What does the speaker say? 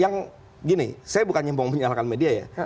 gini saya bukan nyimpang menyalakan media ya